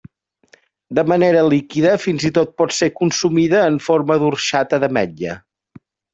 De manera líquida, fins i tot pot ser consumida en forma d'orxata d'ametlla.